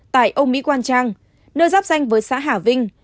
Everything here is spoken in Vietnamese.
tại ông mỹ quan trang nơi giáp danh với xã hà vinh